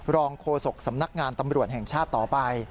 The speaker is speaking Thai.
โฆษกสำนักงานตำรวจแห่งชาติต่อไป